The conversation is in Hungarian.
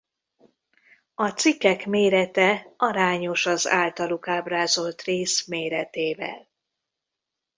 A cikkek mérete arányos az általuk ábrázolt rész méretével.